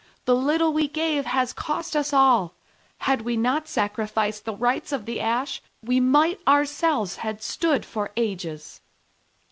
The little we gave has cost us all: had we not sacrificed the rights of the ash, we might ourselves have stood for ages."